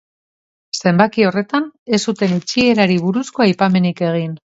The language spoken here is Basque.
Zenbaki horretan ez zuten itxierari buruzko aipamenik egin.